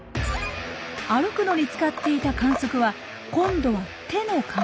歩くのに使っていた管足は今度は手の代わり。